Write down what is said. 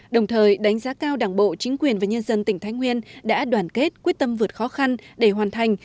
đồng thời đánh giá cao đảng bộ chính quyền và nhân dân tỉnh thái nguyên đã đoàn kết quyết tâm vượt khó khăn để hoàn thành